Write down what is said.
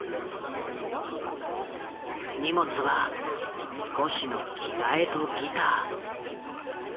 荷物は少しの着替えとギター。